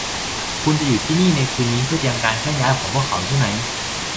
คุณจะอยู่ที่นี่ในคืนนี้เพื่อเตรียมการเคลื่อนย้ายของพวกเขาใช่มั้ย